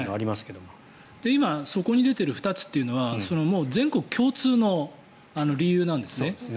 今そこに出ている２つというのは全国共通の理由なんですね。